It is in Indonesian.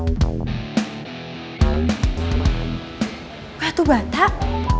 gue atuh bantak